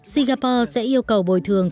singapore sẽ yêu cầu bồi thường